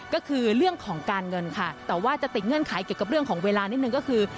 ก็คือเรื่องของการเงินค่ะแต่ว่าจะติดเงื่อนไขเกี่ยวกับเรื่องของเวลานิดนึงก็คือ